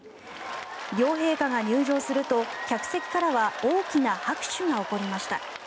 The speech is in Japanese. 両陛下が入場すると、客席からは大きな拍手が起こりました。